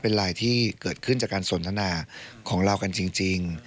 เป็นไลน์ที่เกิดขึ้นจากการสนทนาของเรากันจริง